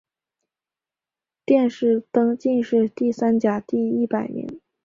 殿试登进士第三甲第一百名。